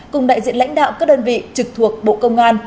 cùng đại diện lãnh đạo các đơn vị trực thuộc bộ công an